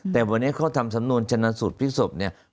แต่วันนี้เขาทำสำนวนชนะสูตรพลิกศพเนี่ย